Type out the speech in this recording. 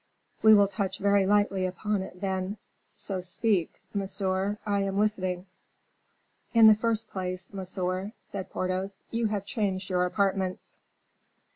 We will touch very lightly upon it, then, so speak, monsieur, I am listening." "In the first place, monsieur," said Porthos, "you have changed your apartments."